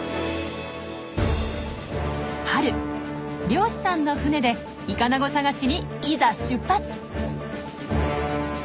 漁師さんの船でイカナゴ探しにいざ出発。